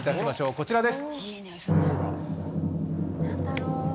こちらです・